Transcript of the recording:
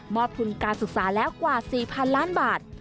อบทุนการศึกษาแล้วกว่า๔๐๐๐ล้านบาท